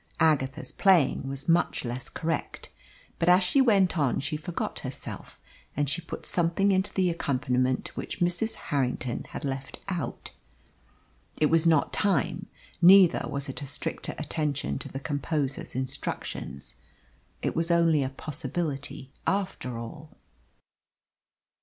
Agatha's playing was much less correct, but as she went on she forgot herself, and she put something into the accompaniment which Mrs. Harrington had left out. It was not time, neither was it a stricter attention to the composer's instructions. It was only a possibility, after all.